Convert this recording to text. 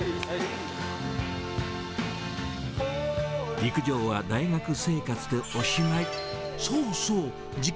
陸上は大学生活でおしまい。